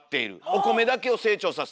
お米だけを成長さす。